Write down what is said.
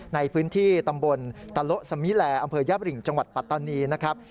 ในพื้นที่ตำบลตะโละสมิแลอำเภอยบริงจังหวัดปัตตานีนะครับ